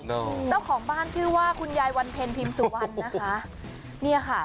เจ้าของบ้านชื่อว่าคุณยายวรรเภรพิมพ์สุวรรค์นะคะ